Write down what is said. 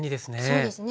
そうですね。